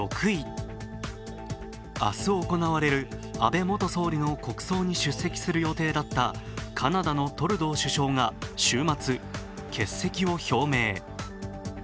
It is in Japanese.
明日行われる安倍元総理の国葬に出席する予定だったカナダのトルドー首相が週末、欠席を表明。